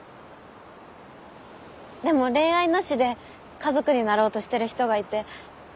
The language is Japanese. でも恋愛なしで家族になろうとしてる人がいて。